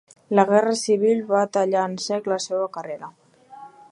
La Guerra Civil va tallar en sec la seva carrera.